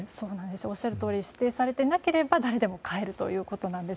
おっしゃるとおりで指定されていなければ誰でも買えるんです。